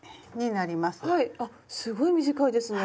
はいあっすごい短いですね。